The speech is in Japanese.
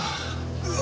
うわ！